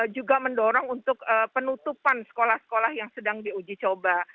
juga mendorong untuk penutupan sekolah sekolah yang sedang diuji coba